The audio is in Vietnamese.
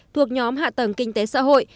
thuộc nhóm hạ tầng kinh tế xã hội